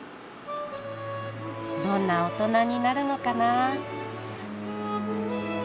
どんな大人になるのかな。